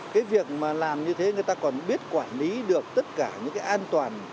cái việc mà làm như thế người ta còn biết quản lý được tất cả những cái an toàn